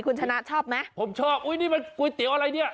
คุณชนะชอบไหมผมชอบอุ้ยนี่มันก๋วยเตี๋ยวอะไรเนี่ย